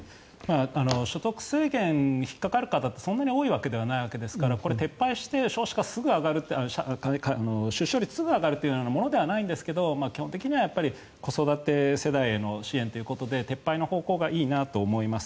所得制限に引っかかる方ってそんなに多いわけじゃないわけですからこれ、撤廃して出生率がすぐ上がるものではないんですが基本的には子育て世代への支援ということで撤廃の方向がいいなと思います。